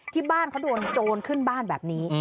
ที่บ้านเขาโดนโจรขึ้นบ้านแบบนี้